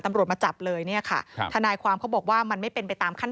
สำรวจมาจับเลยเนี่ยคะความก็บอกว่ามันไม่เป็นไปตามขั้น